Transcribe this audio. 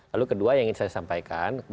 lalu kedua yang ingin saya sampaikan